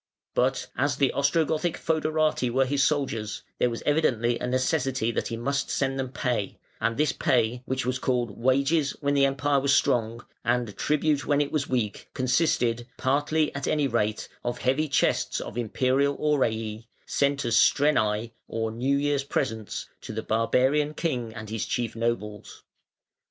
But as the Ostrogothic fœderati were his soldiers, there was evidently a necessity that he must send them pay, and this pay, which was called wages when the Empire was strong, and tribute when it was weak, consisted, partly at any rate, of heavy chests of Imperial aurei, sent as strenae or New Year's presents, to the barbarian king and his chief nobles.